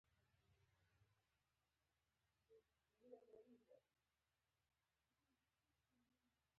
دا نظم د ارتباط په شبکه ولاړ دی.